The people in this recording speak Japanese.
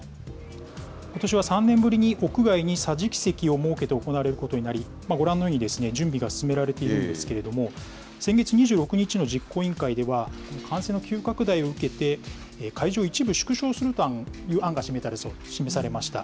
ことしは３年ぶりに屋外に桟敷席を設けて行われることになり、ご覧のように、準備が進められているんですけれども、先月２６日の実行委員会では、感染の急拡大を受けて、会場、一部縮小するという案が示されました。